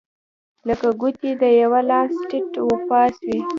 لکه ګوتې د یوه لاس ټیت و پاس وې.